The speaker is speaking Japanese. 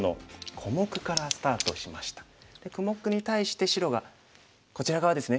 小目に対して白がこちら側ですね